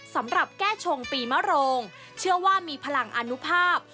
สำหรับแก้ชงปีมโรงเชื่อว่ามีพลังอนุภาพ